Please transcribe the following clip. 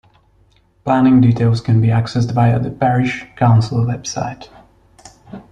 Planning details can be accessed via the parish council website.